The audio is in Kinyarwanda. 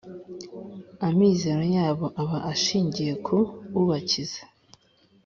amizero yabo aba ashingiye ku Ubakiza.